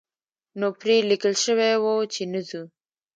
نو پرې لیکل شوي وو چې نه ځو.